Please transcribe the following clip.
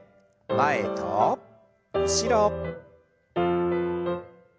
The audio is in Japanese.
前と後ろ。